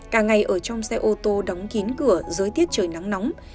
cả ngày ở trong xe ô tô đóng kín cửa dưới tiết trời nắng nóng